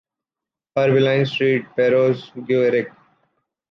Herbelines street, Perros-Guirec